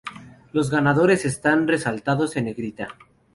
Los ganadores están resaltados en negrita.